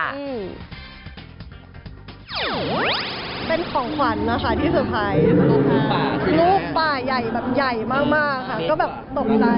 เป็นของขวัญนะคะที่เตอร์ไพรส์ลูกป่าใหญ่แบบใหญ่มากค่ะก็แบบตกใจ